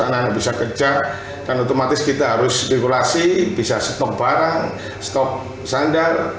anak anak bisa kerja dan otomatis kita harus spekulasi bisa stop barang stop sandar